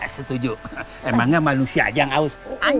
setuju emangnya manusia aja yang haus